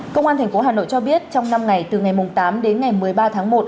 công an tp hà nội cho biết trong năm ngày từ ngày tám đến ngày một mươi ba tháng một